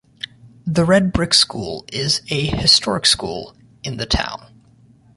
The Red Brick School is a historic school in the town.